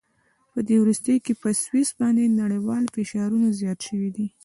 په دې وروستیو کې په سویس باندې نړیوال فشارونه زیات شوي دي.